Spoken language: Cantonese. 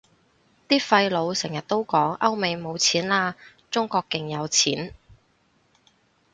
啲廢老成日都講歐美冇錢喇，中國勁有錢